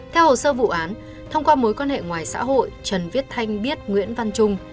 theo hồ sơ vụ án thông qua mối quan hệ ngoài xã hội trần viết thanh biết nguyễn văn trung